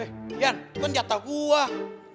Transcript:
eh dian kan jatah buah